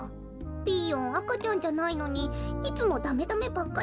ピーヨンあかちゃんじゃないのにいつもダメダメばっかりだぴよ。